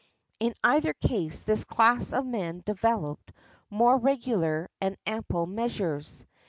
In either case, this class of men developed more regular and ample measures.